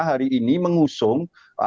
hari ini mengusung